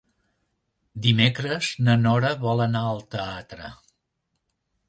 Dimecres na Nora vol anar al teatre.